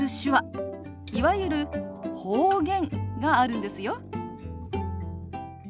いわゆる方言があるんですよ。